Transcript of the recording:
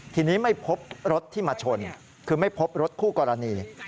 ทีนี้ไม่พบรถที่มาชนคือไม่พบรถคู่กรณี